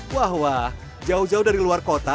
wah wah jauh jauh dari luar kota